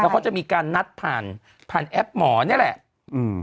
แล้วก็จะมีการนัดผ่านผ่านแอปหมอนี่แหละอืม